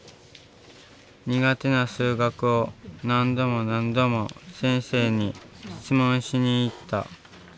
苦手な数学を何度も何度も先生に質問しに行った。